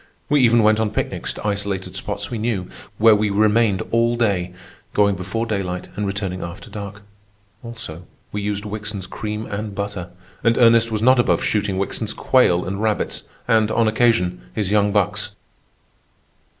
We even went on picnics to isolated spots we knew, where we remained all day, going before daylight and returning after dark. Also, we used Wickson's cream and butter, and Ernest was not above shooting Wickson's quail and rabbits, and, on occasion, his young bucks.